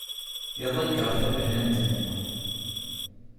Iḍegger tabanant-nni.